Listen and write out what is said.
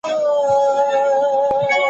زه مخکي سبزیحات پاخلي وو!؟